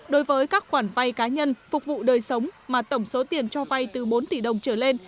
đối với các khoản vay cá nhân phục vụ đời sống mà tổng số tiền cho vay từ bốn tỷ đồng trở lên